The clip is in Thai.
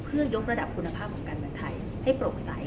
เพื่อยกระดับคุณภาพของการเมืองไทยให้โปร่งใส